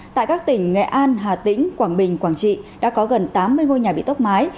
tại các tỉnh nghệ an hà tĩnh quảng bình quảng trị đã có gần tám mươi ngôi nhà bị tốc mái